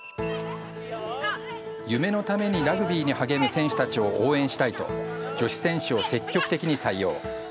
夢のためにラグビーに励む選手たちを応援したいと女子選手を積極的に採用。